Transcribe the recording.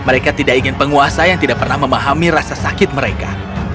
mereka tidak ingin penguasa yang tidak pernah memahami rasa sakit mereka